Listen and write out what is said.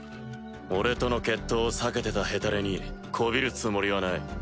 俺との決闘を避けてたヘタレに媚びるつもりはない。